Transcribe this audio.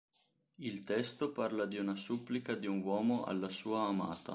Il testo parla di una supplica di un uomo alla sua amata.